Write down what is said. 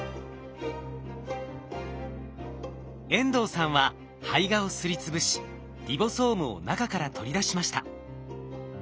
遠藤さんは胚芽をすりつぶしリボソームを中から取り出しました。